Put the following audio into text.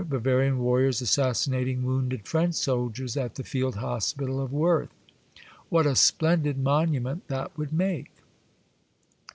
Bavarian Warriors assassinating wounded French soldiers at the field hospital of Woerth. What a splendid monument that would make